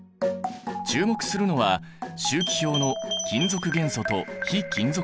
注目するのは周期表の金属元素と非金属元素。